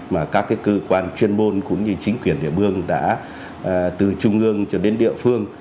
mà các cơ quan chuyên môn cũng như chính quyền địa phương đã từ trung ương cho đến địa phương